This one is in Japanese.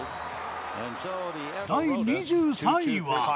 第２３位は。